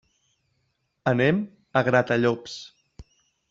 Anem a Gratallops.